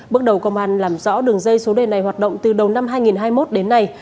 bước đầu công an làm rõ đường dây số đề này hoạt động từ đầu năm hai nghìn hai mươi một đến nay